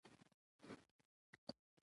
باران د افغانستان د سیاسي جغرافیه برخه ده.